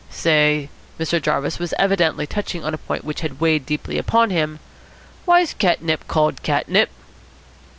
"Say," Mr. Jarvis was evidently touching on a point which had weighed deeply upon him "why's catnip called catnip?"